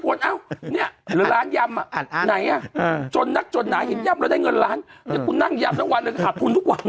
ก็เรากั้นขับรถไปซื้อของ